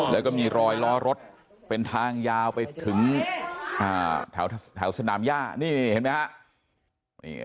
แล้วก็มีรอยล้อรถเป็นทางยาวไปถึงแถวสนามย่านี่เห็นไหมฮะ